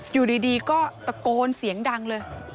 อยู่ดีก็ตะโกนเสียงดังเลย